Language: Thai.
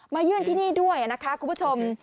ยื่นที่นี่ด้วยนะคะคุณผู้ชม